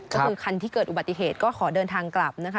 ก็คือคันที่เกิดอุบัติเหตุก็ขอเดินทางกลับนะคะ